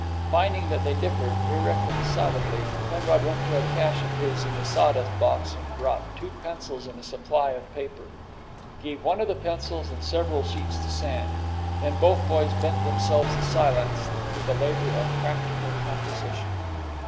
Finding that they differed irreconcilably, Penrod went to a cache of his in the sawdust box and brought two pencils and a supply of paper. He gave one of the pencils and several sheets to Sam; then both boys bent themselves in silence to the labor of practical composition.